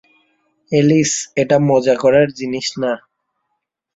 Alice, এটা মজা করার জিনিস না।